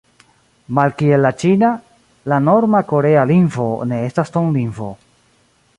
Malkiel la ĉina, la norma korea lingvo ne estas tonlingvo.